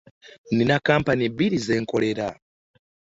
Nnina kkampuni bbiri ze nkolera.